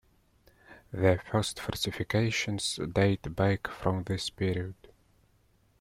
The first fortifications date back from this period.